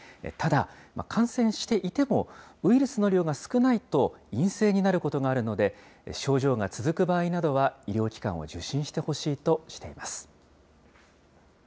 ただ、感染していても、ウイルスの量が少ないと陰性になることがあるので、症状が続く場合などは、医療機関を受診してほしいとしています。